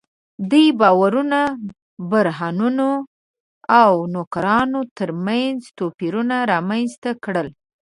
دې باورونو برهمنانو او نوکرانو تر منځ توپیرونه رامنځته کړل.